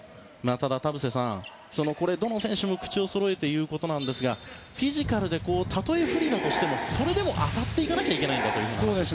ただ、田臥さんどの選手も口をそろえて言うことなんですがフィジカルでたとえ不利だとしてもそれでも当たっていかなきゃいけないんだと。